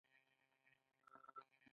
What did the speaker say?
له همدې امله یو ځانګړی حالت شته.